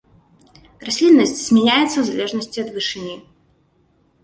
Расліннасць змяняецца ў залежнасці ад вышыні.